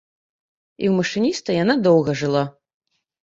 І ў машыніста яна доўга жыла.